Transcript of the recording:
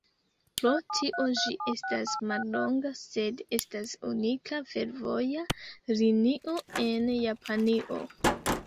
Pro tio ĝi estas mallonga, sed estas unika fervoja linio en Japanio.